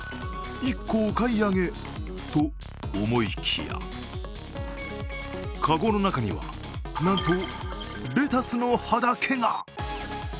１個お買い上げと思いきやかごの中には、なんとレタスの葉だけが。